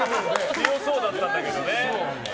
強そうだったんだけどね。